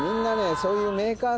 そういう。